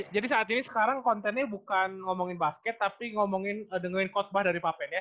jadi saat ini sekarang kontennya bukan ngomongin basket tapi ngomongin dengerin khutbah dari pak pen ya